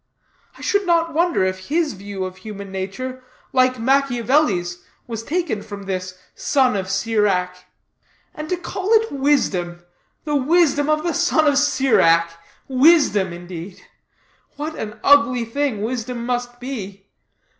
I should not wonder if his view of human nature, like Machiavelli's, was taken from this Son of Sirach. And to call it wisdom the Wisdom of the Son of Sirach! Wisdom, indeed! What an ugly thing wisdom must be!